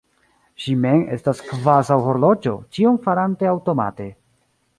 Ŝi mem estas kvazaŭ horloĝo, ĉion farante aŭtomate.